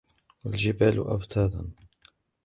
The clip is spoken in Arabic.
والجبال أوتادا